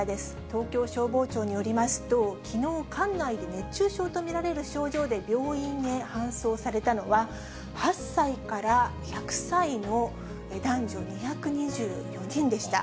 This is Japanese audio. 東京消防庁によりますと、きのう、管内で熱中症と見られる症状で病院へ搬送されたのは、８歳から１００歳の男女２２４人でした。